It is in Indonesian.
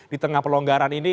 di tengah pelonggaran ini